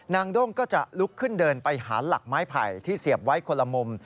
ด้งก็จะลุกขึ้นเดินไปหาหลักไม้ไผ่ที่เสียบไว้คนละมุม